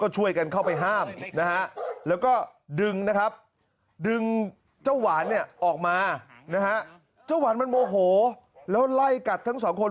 เจ้าหวันมันโมโหแล้วไล่กัดทั้งสองคน